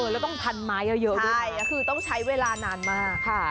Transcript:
แล้วต้องพันไม้เยอะด้วยคือต้องใช้เวลานานมาก